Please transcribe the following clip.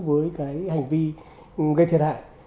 với cái hành vi gây thiệt hại